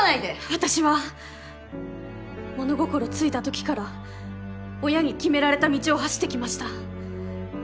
私は物心ついたときから親に決められた道を走ってきました。